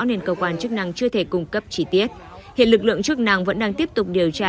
nên cơ quan chức năng chưa thể cung cấp chi tiết hiện lực lượng chức năng vẫn đang tiếp tục điều tra